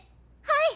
はい！